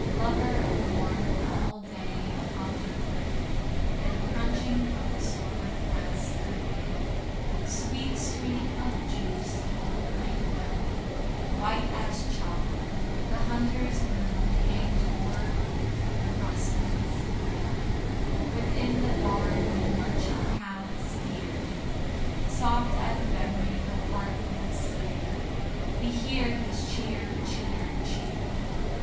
Lover of warmth, all day above the click And crunching of the sorghum press, through thick Sweet steam of juice; all night when, white as chalk, The hunter's moon hangs o'er the rustling rick, Within the barn 'mid munching cow and steer, Soft as a memory the heart holds dear, We hear his "Cheer, cheer, cheer."